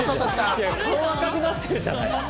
赤くなってるじゃない。